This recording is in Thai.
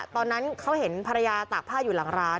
ตอนนั้นเขาเห็นภรรยาตากผ้าอยู่หลังร้าน